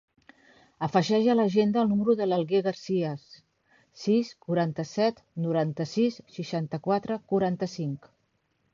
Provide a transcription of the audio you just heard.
Afegeix a l'agenda el número de l'Alguer Garcias: sis, quaranta-set, noranta-sis, seixanta-quatre, quaranta-cinc.